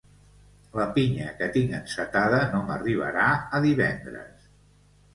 La pinya que tinc encetada no m'arribarà a divendres